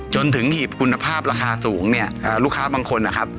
หีบคุณภาพราคาสูงเนี่ยลูกค้าบางคนนะครับ